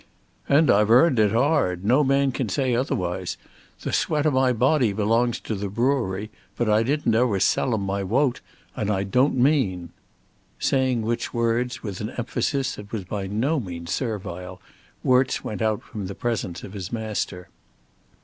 "And I've 'arned it hard; no man can't say otherwise. The sweat o' my body belongs to the brewery, but I didn't ever sell 'em my wote; and I don't mean." Saying which words, with an emphasis that was by no means servile, Worts went out from the presence of his master.